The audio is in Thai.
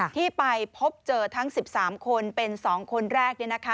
ที่ไปพบเจอทั้ง๑๓คนเป็น๒คนแรก